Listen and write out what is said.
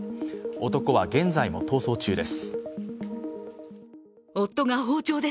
男は現在も逃走中です。